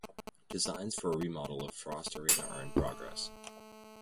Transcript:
Designs for a remodel of Frost Arena are in progress.